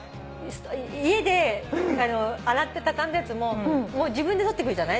家で洗って畳んだやつも自分で取ってくるじゃない？